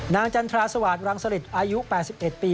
นางจันทราสวรรค์รังสลิดอายุ๘๑ปี